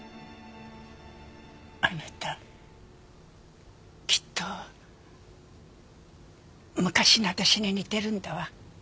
あなたきっと昔の私に似てるんだわ。